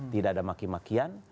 tidak ada maki makian